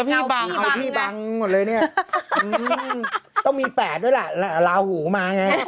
เอาที่บางนี่แหละต้องมีแปดด้วยแหละลาหูมาไง